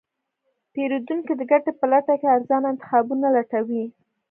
پیرودونکی د ګټې په لټه کې ارزانه انتخابونه لټوي.